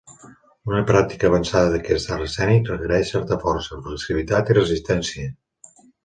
Una pràctica avançada d'aquest art escènic requereix certa força, flexibilitat i resistència.